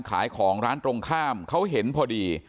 ขายของร้านตรงข้ามเขาเห็นพอดี